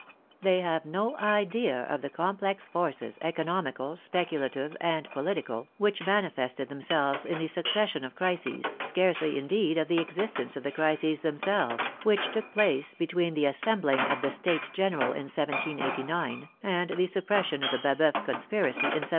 They have no idea of the complex forces, economical, speculative, and po litical, which manifested themselves in the succession of crises (scarcely, indeed, of the existence of the crises themselves) which took place between the assembling of the States General in 1789, and the suppression of the Baboeuf conspiracy in 1796.